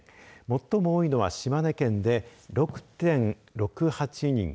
最も多いのは島根県で６．６８人。